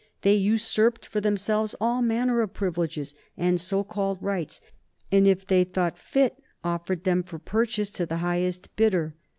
They usurped for themselves all manner of privileges and so called rights, and, if they thought fit, offered them for purchase to the highest bidder.